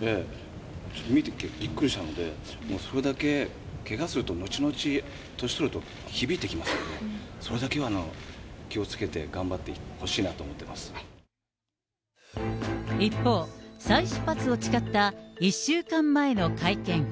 ちょっと見てびっくりしたので、もうそれだけけがすると後々、年を取ると響いてきますので、それだけは気をつけて、一方、再出発を誓った１週間前の会見。